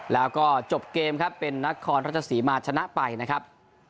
แล้วก็จบเกมครับเป็นนครราชสีมาชนะไปนะครับ